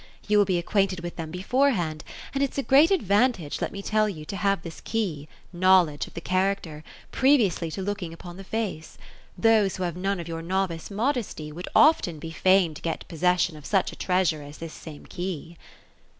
You will be ac quainted with them beforehand ; and it*s a great advantage, let mo tell you, to have this key, — ^knowledge of the character, — previously to look ing upon the face. Those, who have none of your novice modesty, would often be fain to get possession of such a treasure as this same key."